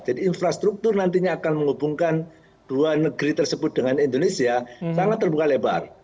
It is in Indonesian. jadi infrastruktur nantinya akan menghubungkan dua negeri tersebut dengan indonesia sangat terbuka lebar